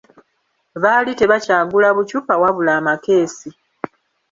Baali tebakyagula bu ccupa wabula amakeesi!